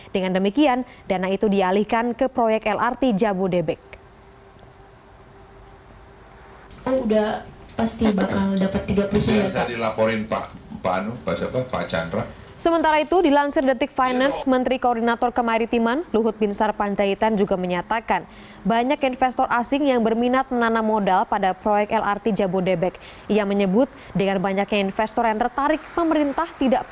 dengan demikian dana itu dialihkan ke proyek lrt jabodebek